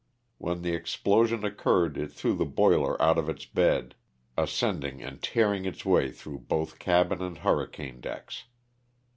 When the explosion occurred it threw the boiler out of its bed, 213 LOSS OF THE SULTAN^A. ascending and tearing its way through both cabin and hurricane decks.